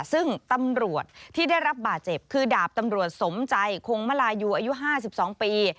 ซึ่งตำรวจที่ได้รับบาดเจ็บคือดาบตำรวจสมใจคงมลายูอายุ๕๒ปี